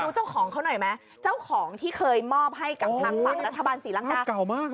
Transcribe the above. เจ้าของเขาหน่อยไหมเจ้าของที่เคยมอบให้กับทางฝั่งรัฐบาลศรีลังกาเก่ามาก